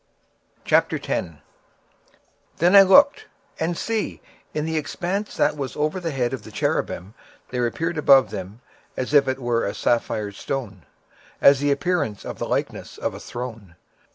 26:010:001 Then I looked, and, behold, in the firmament that was above the head of the cherubims there appeared over them as it were a sapphire stone, as the appearance of the likeness of a throne.